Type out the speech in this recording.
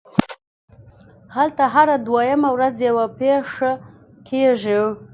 هلته هره دویمه ورځ یوه پېښه کېږي